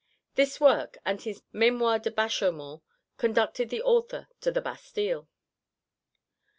This work and his Mémoires de Bachaumont conducted the author to the Bastille.